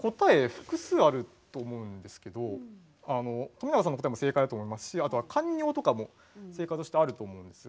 複数あると思うんですけど富永さんの答えも正解だと思いますしあとは「かんにょう」とかも正解としてあると思うんですが。